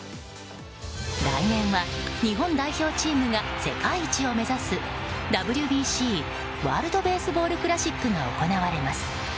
来年は日本代表チームが世界一を目指すＷＢＣ・ワールド・ベースボールクラシックが行われます。